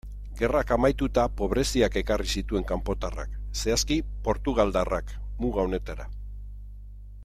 Gerrak amaituta, pobreziak ekarri zituen kanpotarrak, zehazki portugaldarrak, muga honetara.